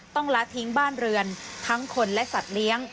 ละทิ้งบ้านเรือนทั้งคนและสัตว์เลี้ยง